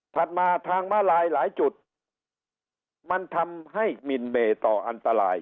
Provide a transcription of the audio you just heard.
มาทางมาลายหลายจุดมันทำให้มินเมต่ออันตราย